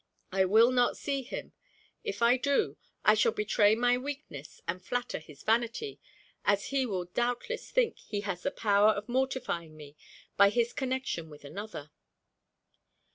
I will not see him. If I do, I shall betray my weakness, and flatter his vanity, as he will doubtless think he has the power of mortifying me by his connection with another.